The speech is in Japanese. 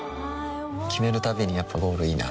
決めるたびにやっぱゴールいいなってふん